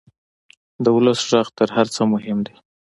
د ولس غږ تر هر څه مهم دی.